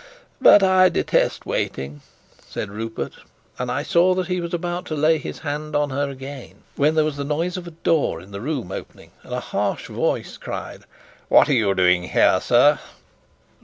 "But I detest waiting," said Rupert; and I saw that he was about to lay his hand on her again, when there was a noise of a door in the room opening, and a harsh voice cried: "What are you doing here, sir?"